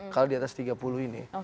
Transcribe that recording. kalau di atas tiga puluh ini